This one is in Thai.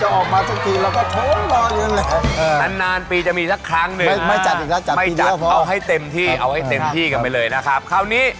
กิอาจจะรออยู่นานปีจะมีสักครั้งเลยไม่จัดแล้วไม่จัดเอาให้เต็มที่เอาไว้เต็มที่กันไปเลยนะครับเขานี้